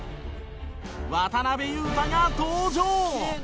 渡邊雄太が登場！